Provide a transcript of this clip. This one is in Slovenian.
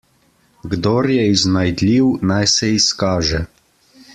Kdor je iznajdljiv, naj se izkaže.